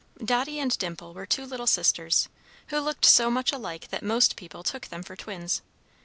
Dotty and Dimple were two little sisters, who looked so much alike that most people took them for twins.